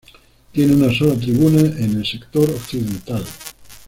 Tiene una sola tribuna en el sector occidental.